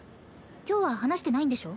今日は話してないんでしょ？